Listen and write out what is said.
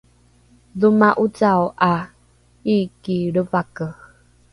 dhoma ocao ’a iiki lrevake